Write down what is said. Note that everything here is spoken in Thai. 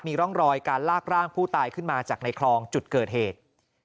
มีร่องรอยการลากร่างผู้ตายขึ้นมาจากในคลองจุดเกิดเหตุ